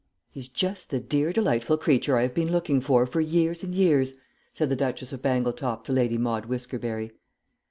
"He's just the dear delightful creature I have been looking for for years and years," said the Duchess of Bangletop to Lady Maude Whiskerberry.